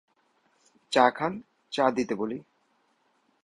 চা খান, চা দিতে বলি।